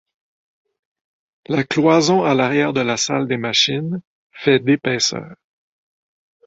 La cloison à l'arrière de la salle des machines fait d'épaisseur.